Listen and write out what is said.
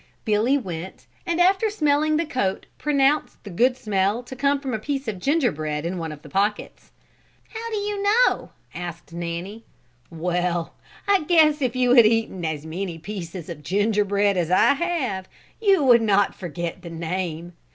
Billy went and after smelling the coat pronounced the good smell to come from a piece of gingerbread in one of the pockets. "How do you know?" asked Nanny. "Well, I guess if you had eaten as many pieces of gingerbread as I have you would not forget the name.